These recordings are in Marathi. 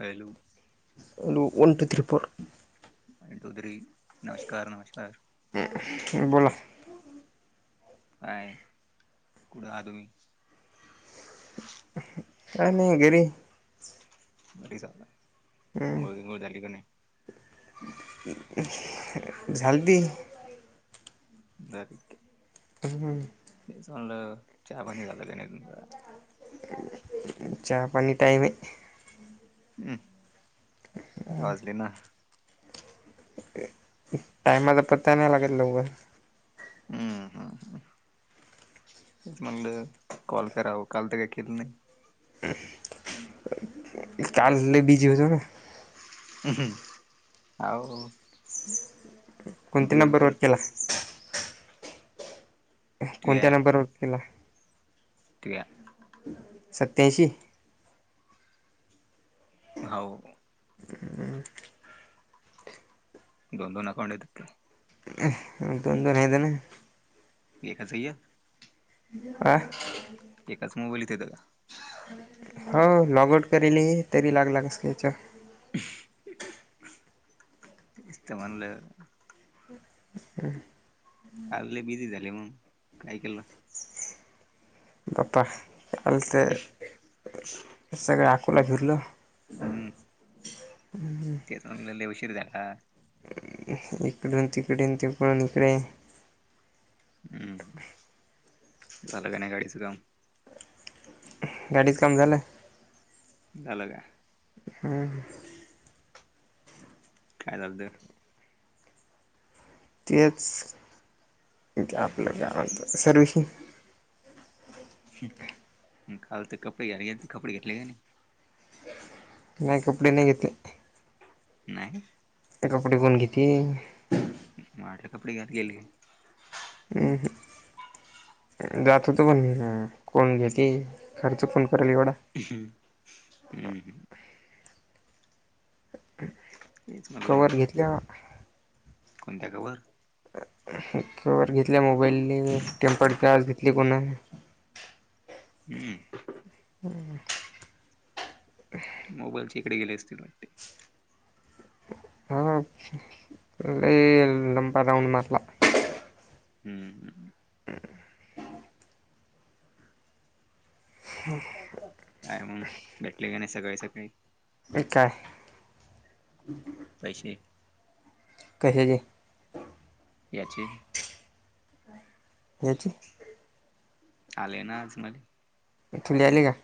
Hello, hello, one two three four one two three नमस्कार नमस्कार [unintelligible] बोला. काय कुठं आ तुम्ही? काय नाही घरी आहे. घरीच आहात ना, अंघोळ बिघोळ झाली का नाही? झालदी. दारीक्य हम, तेच म्हणलं, चहा पाणी झालं काय नाही तुमचा. [unintelligible] चहा पाणी टाईम आहे. हम्म, दहा वाजले न, टाइमाचा पत्ता नाही लागत लवकर. हम् ह ह, तेच म्हणलं कॉल करावं. काल ते काय केलं नाही. काल लय बिजी होतो न, ह.. आहो कोणती नंबर वर केलास. कोणत्या तुया नंबर वर केला. तुया सत्याऐंशी हो. दोन दोन अकाऊंट येतात का? दोन दोन हातान एकाच एक आ, एकाच मोबाईल इथं आहे दादा. हो लॉगआउट करेल हे तरी लागला नसेल याच्यावर. [unintelligible] तेच त म्हणल. काल लय बिझी झाली मग काय केलं. बाप्पा काल तं सगळं अकोला फिरलो. हम्म, ह हम, तेच आणलं लय उशीर झाला. इकडून तिकडे तिकडून इकडे हम्म हम, झालं का नाही गाडीचं काम? गाडीच काम झालं? झाल का? हम्. काय झालत? तेच, इेथल आपल्या गावात सर्विसींग. काल ते कपडे घ्याल गेलते कपडे घेतले का नाही? नाही कपडे नाही घेतले. नाही. एक कपडेकऊन घेती. मला वाटलं कपडे घेतलेले. हम् ह. जात होत पण कोण घेते खर्च कोण करल एवढा. ह हम्म हम. तेच म्हणलं. ज्या कोणत्या कॅवर. कॅवर घेतल्या मोबाईलने, टेम्पर्ड गलास घेतली कोणा. हम्म. हम्. मोबाईलचे इकडे गेले असतील. हा, लय लंबा राऊंड मारला. हम्म हम्. काय मग भेटले की नाही सगळे शॉपिंग? एकाय. पैसे. कशाची? याची. याची? आले ना आज मला. इथली आले का?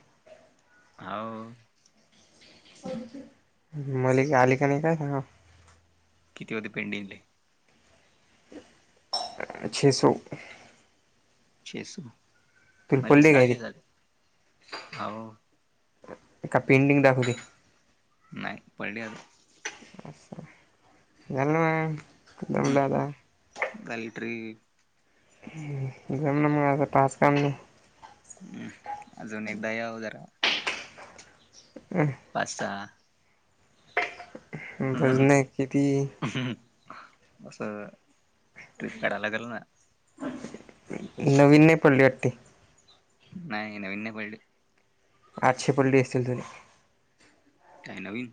हाव. मलिका आली का नाही काय सांगाव? किती होती पेडिंग ले? छे सौ. छे सौ तुला म्हणले पडले काय सहाशे ते झाले हो. ते का पेंडिंग दाखवते. नाही पडली आ गल्लमा कदम लादा. दल टरी. [inaudible] म आता आज काम नाही? हम्म अजून एकदा याव जरा. पाच-सहा. भजन आहे किती. हं हं असं ट्रिप काढाय लागेल ना. नवीन नाही पडली वाटते. नाही नवीन नाही पडली. आठशे पडले असतील तरी काय नवीन?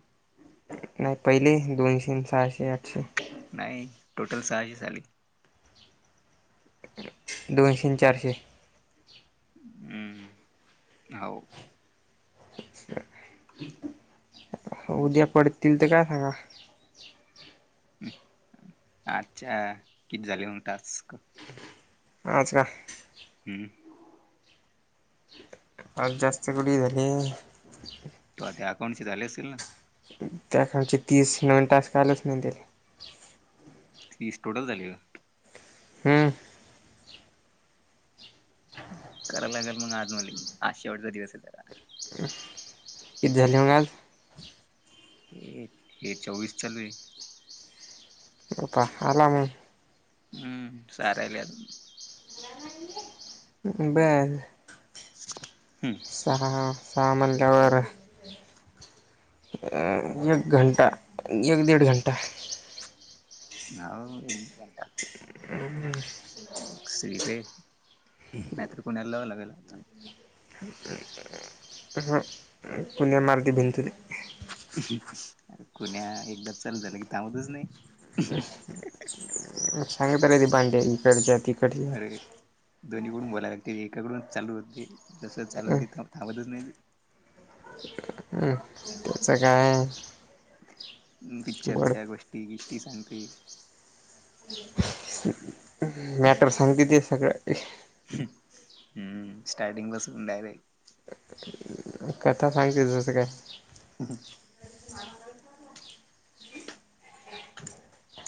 नाही पहिले दोनशे अन सहाशे आठशे नाही टोटल सहाशे च आले. दोनशे अन चारशे हम्म हो ह [inaudible] हो उद्या पडतील ते काय सांगा अच्छा किती झाले मग टास्क? अच्छा हम्म आज जास्त कुठी झाले. तूह्या त्या अकाउंट चे झाले असतील ना त्या खालचे तीस नवीन टास्क आलेच नाही त्याले तीस टोटल झाले का? हम्म करायला लागल मग आज मले आज शेवटचा दिवस आहे तर किती झाले मग आज? हे हे चोवीस चालु आहे. हो का आला मग हम्म सहा राहील्यात बरं हम्म सहा सहा म्हणल्यावर एक घंटा एक दिड घंटा होव एक दिड घंटा [unintelligible] नाहीतर कुण्याला लावां लागेला आता. हो कुण्या मारती भिंतीले अरे कुण्या एकदा चालु झालं की थांबतच नाही. सांगीतल ते बांड्या इकडच्या ती अरे दोन्हीकडून बोलाय लागते एकाकडूनच चालू होते जसं चालू होते थांबतच नाही. त्याच काय बड पिक्चरच्या गोष्टी गिष्टी सांगते. मॅटर सांगते ते सगळं. हम्म स्टारटिंग पासून डायरेक्ट कथा सांगते जसं काय ह ह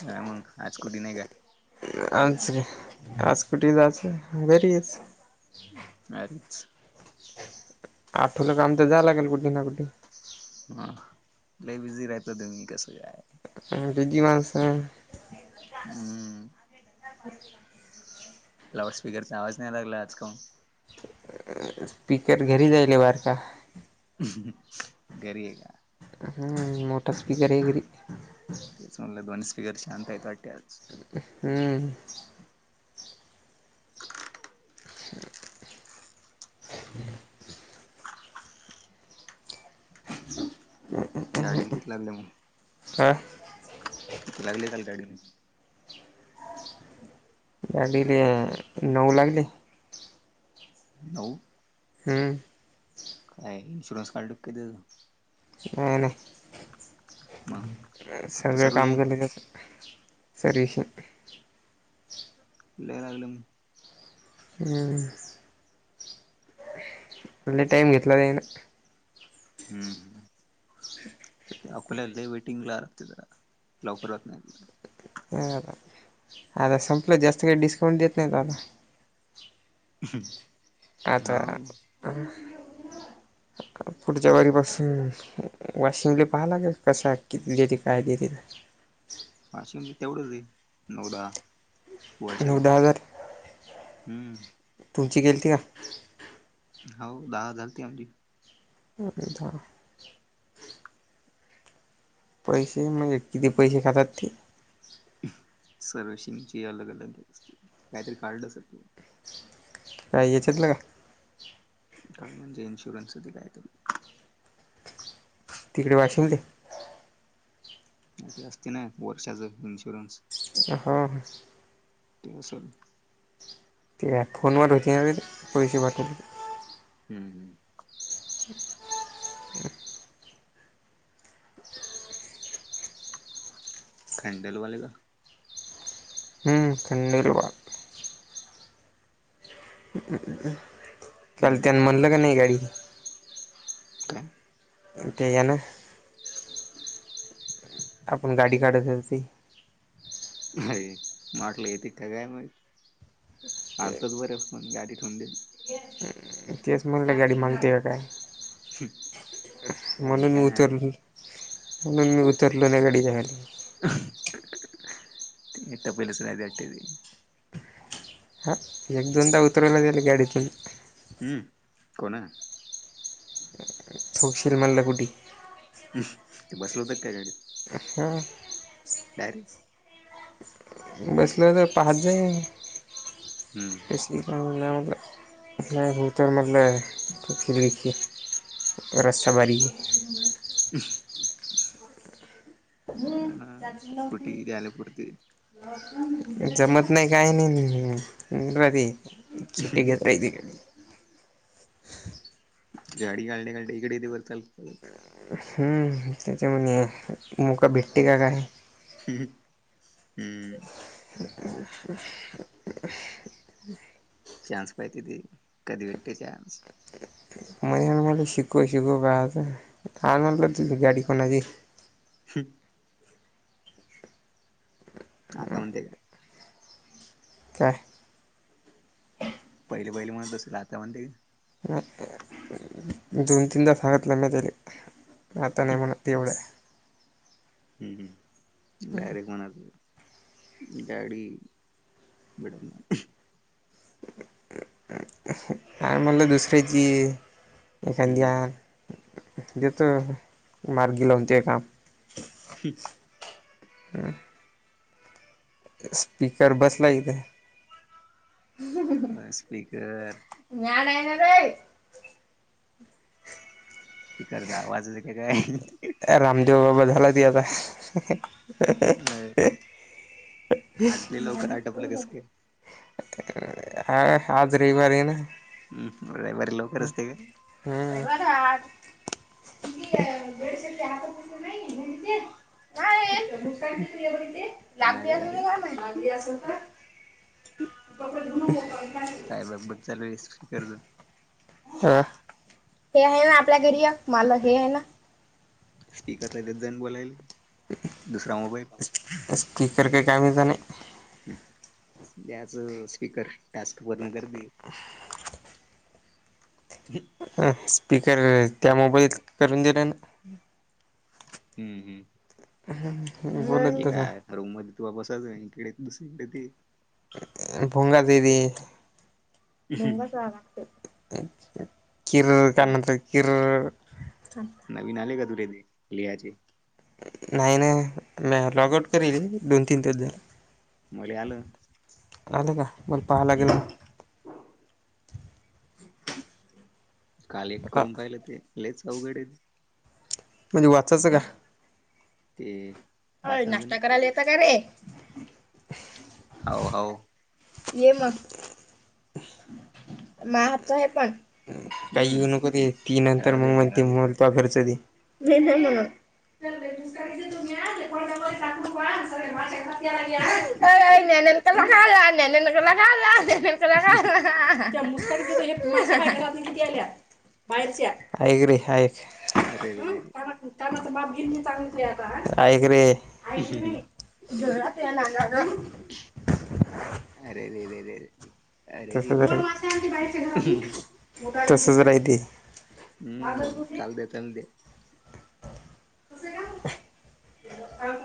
हा मग आज कुठी नाही का? आज आज कुटी जाचं घरीच घरीच आठवलं काम तर जाया लागल कुठे ना कुठे हा लय बिझी राहता तुम्ही कसं काय? आम्ही बिझी माणसं. हम्म, लाउड स्पीकरचा आवाज नाही लागला, आज काहून. स्पीकर घरी जाईल बर का. हम्म, घरी आहे का? हम्म मोठा स्पीकर हेय घरी. तेच म्हणलं, दोन स्पीकर शांत आहेत वाटते आज? हम्म. गाडीला किक लागल्या मग. हा. किती लागले काल गाडीने. गडीले नऊ लागले. नऊ. हम्. काय इन्शुरन्स काढलंत काय त्येच? हा ना. हा. सगळं काम केलं जातं, तरी ही. लई लागलं म्हण. हम. लई टाइम घेतला वो हेन. हम्म, हम्. अकोल्याला लई वेटिंग लागतेत, लवकरत होतं नाही तिथं. नाही आता, संपलं जास्त काही डिस्काउंट देत नाही आता. [unintelligible] आता. हाव पुढच्या वारीपासून, वाशिंगले पाहालागे, कसा किती दिती काय दितील. वाशी मध्ये तेवढंच हेय, नऊ -दहा वर्षाच. नऊ दहा हजार हम्म. तुमची गेलीती का? हाव, दहा झालती अंडी. दहा. पैशे मणजे किती पैशे खातात ते? सर्विसिंगची अलग- अलग असते, काहीतरी कार्ड असतं ते. काय हेच्यातल का? कार्ड म्हणजे इन्शुरन्सध ते काय तरी. तिकडे वाशिन दे. ते असते ना, वर्षाच इन्शुरन्स. ह, ह. ते असल. ठीक आहे फोन म होती. पैशे पाठवली. हम्म, हम्म. [inaudible] हँडलवाले का? [unintelligible] चाल हम्म त्यान म्हणलं का नाही गाडी? काय? अ ते, या न आपण गाडी काढत होतो, ती. अय मा वाटल, येत का, काय मग? आलतच बर, पण गाडी ठेवून दे. तेच म्हणल, गाडी मांगती का, काय? काय आहे म्हणून का मी उतरलो [unintelligible] म्हणून मी उतरलो नही, गाडीच्या खाली हह एठ प [unintelligible] अटेदी [unintelligible] हां, एक दोनदा उतरवलं, त्यांन गाडीतून. हम्म, कोण ये? तौशिल मल्लगुडी. ह्म, ते बसल होत, काय गाडीत? हो. काय र? बसलं होतं, पाहतं. हम्म. असी [unintelligible] मला [unintelligible] नाही होूतर मतल तू फख रस् भारी [unintelligible] हम्म कुटी त्या्याले पूरती [unintelligible] बसून जमत नाही, काय नही, घरी चीटटी घेता ति गाडी घालणेसाठी इकडे [unintelligible] चल ह्म, त्याच्यामुळे मोका भेटते का, काय? हह, हम्म. ह [unintelligible] चान्स पाहिती ते, कधी भेटते चान्स? म्हणे मला शिकव-शिकव पा आता, आणलं तुझ गाडी कोणाची हम्म. आता म्हणते का? काय? पहिले-पहिले म्हणत असल, आता म्हणते का? म दोन-तीनदा सांगतलं मी त्याले, आता नही म्हणत, ते एवढं. हम्म हम्म, डायरेक्ट म्हणाल गाडी, बीड नही. हां, म्हणलं दुसऱ्याची ये, हम्म [unintelligible] देतो, मार्गी लावून ते काम. [unintelligible] स्पीकर बसला हीथ. मां स्पीकर [unintelligible] तिकडचा आवाज येते का, काय? रामदेवबाबां झाला, त्यो आता. अ ह्हणणं. आजले लवकर आटपलं कस काय [unintelligible] हा, आज रविवार ये ना? हम्म, म रविवारी लव [unintelligible] [unintelligible] हा हे का अरे अरे लांबली असल तर काय माहित? कपडे धुवून ठेव काय हे. काय बघ. बचे चालीस कर्ज. ह हे आहे ना आपल्या घरी या मला घ्यायला. स्पीकरला देत जा ना बोलायले दुसरा मोबाईल. स्पीकर काय कामाचा नाही. त्याच स्पीकर टास्क पूर्ण कर ती. [unintelligible] स्पीकर त्या मोबाईलत करून दिले ना. हम्म हम्म. हम हम. एका रूम मध्ये तु बसवायच नाही. इकडे दुसरीकडे ते पाहून घ्या ते भी पाहून झालं आमचं. किर ते कानातल किर. नवीन आले का तुले ते लिहाचे. नाही ना. म्या लॉगआउट करील दोन -तीन दिवस झालं. मले आलं आल का. मला पहा लागेल. हम्म [unintelligible] काल एक मग करून पाहिलं ते लयच अवघड आहे ते, म्हणजे वाचायचं का. ते अय वाचायचं नाश्ता नाही करायला येता काय रे? How how. ये मग माझ्या हातच आहे पहा. काही हम्म येऊ नको ते, ती नंतर राहू दे मग म्हणती राहू दे म्होरचा खर्च दे. [unintelligible] [unintelligible] हम हम. आहे की नाही हाय. अरेरेरे. ऐक रे? एक रे. अरेरेरेरे. तसच राहिते. तसच राहते. हम्म. चालु दे. चालु दे.